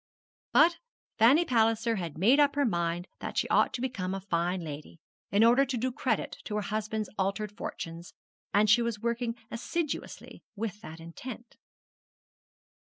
But Fanny Palliser had made up her mind that she ought to become a fine lady, in order to do credit to her husband's altered fortunes, and she was working assiduously with that intent.